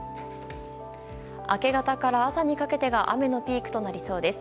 明け方から朝にかけてが雨のピークとなりそうです。